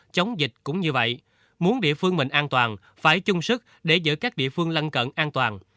chống dịch cũng như vậy muốn địa phương mình an toàn phải chung sức để giữ các địa phương lân cận an toàn